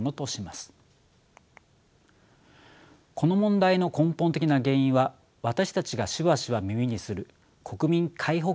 この問題の根本的な原因は私たちがしばしば耳にする国民皆保険にあります。